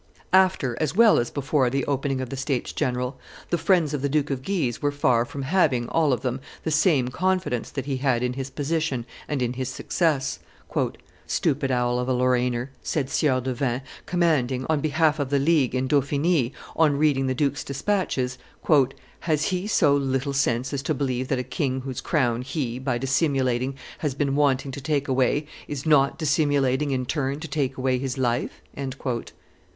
After as well as before the opening of the states general, the friends of the Duke of Guise were far from having, all of them, the same confidence that he had in his position and in his success. "Stupid owl of a Lorrainer!" said Sieur de Vins, commanding, on behalf of the League, in Dauphiny, on reading the duke's despatches, "has he so little sense as to believe that a king whose crown he, by dissimulating, has been wanting to take away, is not dissimulating in turn to take away his life?"